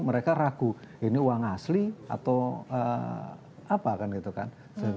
mereka ragu ini uang asli atau apa kan gitu kan